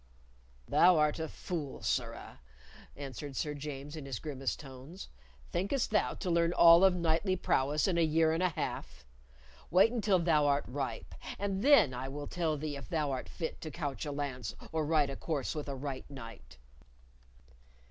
"Thou art a fool, sirrah!" answered Sir James, in his grimmest tones. "Thinkest thou to learn all of knightly prowess in a year and a half? Wait until thou art ripe, and then I will tell thee if thou art fit to couch a lance or ride a course with a right knight."